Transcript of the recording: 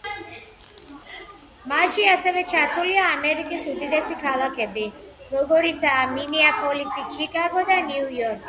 მასში ასევე ჩართულია ამერიკის უდიდესი ქალაქები, როგორიცაა: მინეაპოლისი, ჩიკაგო და ნიუ-იორკი.